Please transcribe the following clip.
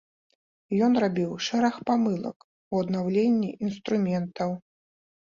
Ён рабіў шэраг памылак у аднаўленні інструментаў.